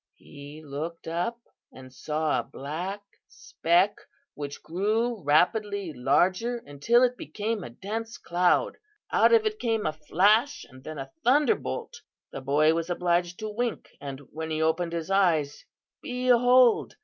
He looked up and saw a black speck which grew rapidly larger until it became a dense cloud. Out of it came a flash and then a thunderbolt. The boy was obliged to wink; and when he opened his eyes, behold!